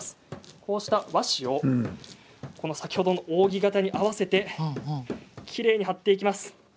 こうした和紙を先ほどの扇型に合わせてきれいに貼っていきます。